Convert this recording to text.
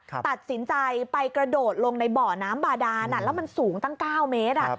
ตัดสินใจไปกระโดดลงในบ่อน้ำบาดานแล้วมันสูงตั้ง๙เมตร